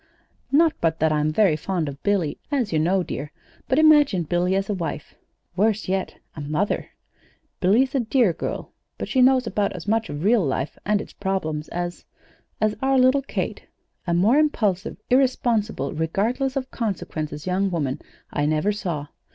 "Not but that I'm very fond of Billy, as you know, dear; but imagine Billy as a wife worse yet, a mother! Billy's a dear girl, but she knows about as much of real life and its problems as as our little Kate. A more impulsive, irresponsible, regardless of consequences young woman I never saw.